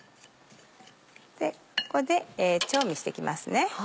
ここで調味していきますね。